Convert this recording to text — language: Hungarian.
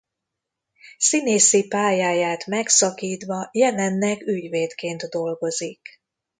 Színészi pályáját megszakítva jelenleg ügyvédként dolgozik.